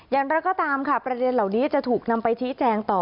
อย่างไรก็ตามค่ะประเด็นเหล่านี้จะถูกนำไปชี้แจงต่อ